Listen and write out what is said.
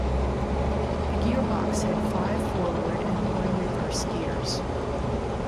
The gearbox had five forward and one reverse gears.